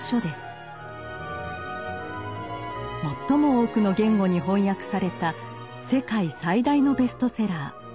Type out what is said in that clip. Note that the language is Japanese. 最も多くの言語に翻訳された世界最大のベストセラー。